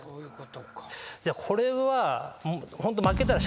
これは。